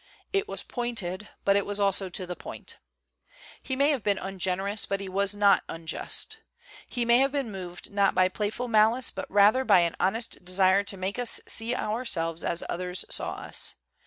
It was pointed, but it was also to the point. He may have been ungenerous, but he was not unjust. He may have been moved not by playful malice, but rather by an honest desire to make us see ourselves as others saw us.